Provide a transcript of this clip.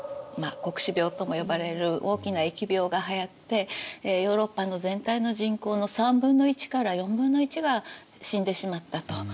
まあ黒死病とも呼ばれる大きな疫病がはやってヨーロッパの全体の人口の３分の１から４分の１が死んでしまったと。